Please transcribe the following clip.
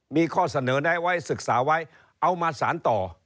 มีข้อเสนอแนะไว้ศึกษาไว้เอามาสารต่อ